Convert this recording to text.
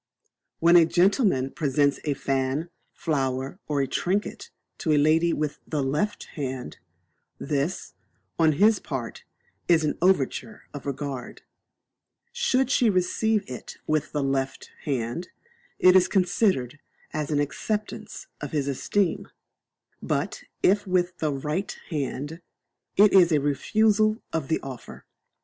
When a gentleman presents a fan, flower, or trinket, to a lady with the left hand, this, on his part, is an overture of regard; should she receive it with the left hand, it is considered as an acceptance of his esteem; but if with the right hand, it is a refusal of the offer.